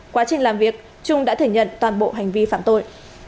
quá trình làm việc trung đã thể nhận toàn bộ hành vi phạm tội